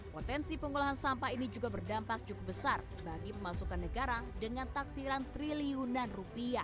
potensi pengolahan sampah ini juga berdampak cukup besar bagi pemasukan negara dengan taksiran triliunan rupiah